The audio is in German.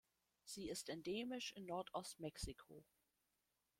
Sie ist endemisch in Nordost-Mexiko.